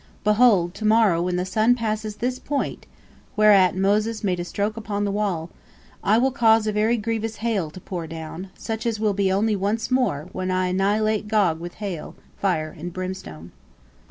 Behold, to morrow when the sun passes this point,"—whereat Moses made a stroke upon the wall— "I will cause a very grievous hail to pour down, such as will be only once more, when I annihilate Gog with hail, fire, and brimstone."